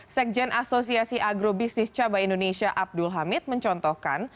sekjen asosiasi agro bisnis cabai indonesia abdul hamid mencontohkan